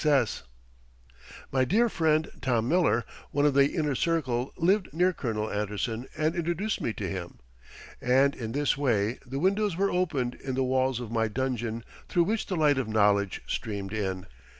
] My dear friend, Tom Miller, one of the inner circle, lived near Colonel Anderson and introduced me to him, and in this way the windows were opened in the walls of my dungeon through which the light of knowledge streamed in.